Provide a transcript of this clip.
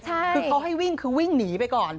คือเขาให้วิ่งคือวิ่งหนีไปก่อน